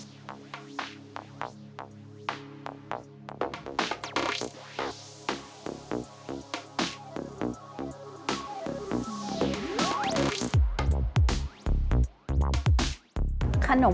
ในแบบธันดิ์นี้จะถือวัตถุที่ผิดมาไม่ต้องเล่น